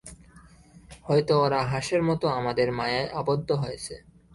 হয়তো ওরা হাসের মতো আমাদের মায়ায় আবদ্ধ হয়েছে।